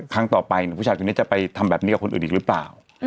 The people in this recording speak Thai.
ครั้งต่อไปผู้ชายคนนี้จะไปทำแบบนี้กับคนอื่นอีกหรือเปล่า